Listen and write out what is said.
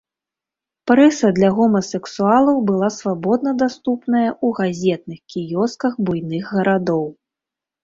Прэса для гомасексуалаў была свабодна даступная ў газетных кіёсках буйных гарадоў.